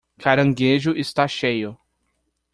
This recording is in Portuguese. Caranguejo está cheio